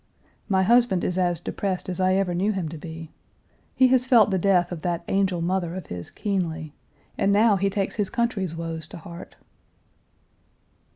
My husband is as depressed as I ever knew him to be. He has felt the death of that angel mother of his keenly, and now he takes his country's woes to heart.